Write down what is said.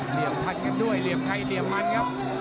เหลี่ยมพันกันด้วยเหลี่ยมใครเหลี่ยมมันครับ